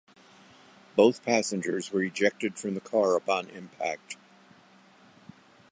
Both passengers were ejected from the car upon impact.